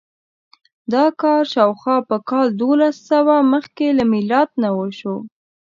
دا کار شاوخوا په کال دوولسسوه مخکې له میلاد نه وشو.